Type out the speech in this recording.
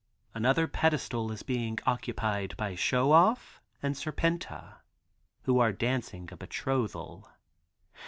Another pedestal is being occupied by Show Off and Serpenta, who are dancing a betrothal.